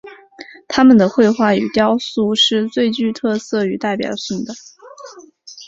他们的绘画与雕塑是最具特色与代表性的。